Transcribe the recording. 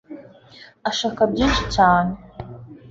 ashaka byinshi cyane